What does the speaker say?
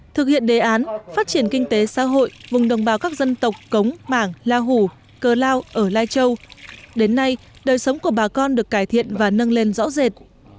thực hiện đề án phát triển kinh tế xã hội vùng đồng bào các dân tộc cống mảng la hủ cơ lao ở lai châu đến nay đời sống của bà con được cải thiện và nâng lên rõ rệt